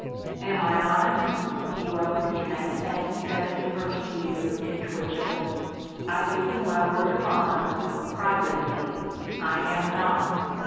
"Am I honest?" he wrote in that same seventy first year to Twitchell. "I give you my word of honor (privately) I am not.